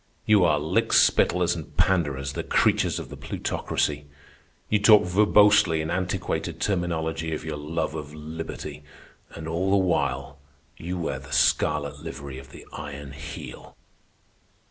You are lick spittlers and panderers, the creatures of the Plutocracy. You talk verbosely in antiquated terminology of your love of liberty, and all the while you wear the scarlet livery of the Iron Heel."